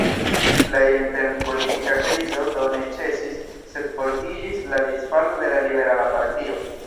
La intern-politika krizo do ne ĉesis, sed fortiĝis la disfalo de la Liberala partio.